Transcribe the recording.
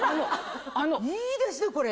いいですねこれ！